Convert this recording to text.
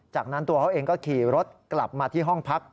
จากนั้นตัวเขาเองก็ขี่รถกลับมาที่ห้องพัก